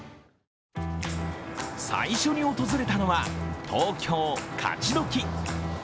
最初に訪れたのは東京・勝ちどき。